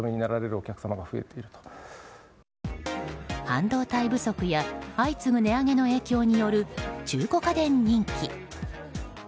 半導体不足や相次ぐ値上げの影響による、中古家電人気。